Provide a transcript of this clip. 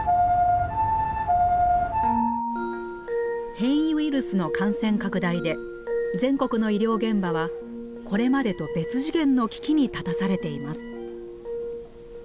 変異ウイルスの感染拡大で全国の医療現場はこれまでと別次元の危機に立たされています。